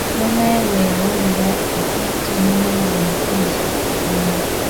Maama we bweyawulira okwetta n’amala gamukkiriza okugenda.